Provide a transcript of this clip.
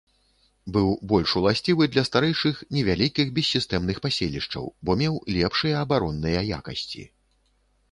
Быў больш уласцівы для старэйшых, невялікіх, бессістэмных паселішчаў, бо меў лепшыя абаронныя якасці.